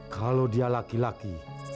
kalau dia laki laki